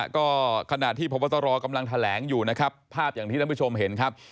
ก็ขณะที่พบตรกำลังแถลงอยู่นะครับภาพอย่างที่ท่านผู้ชมเห็นครับ